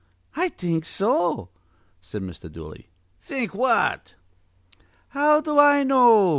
"I think so," said Mr. Dooley. "Think what?" "How do I know?"